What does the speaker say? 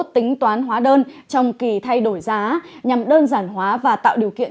tính toán hóa đơn trong kỳ thay đổi giá nhằm đơn giản hóa và tạo điều kiện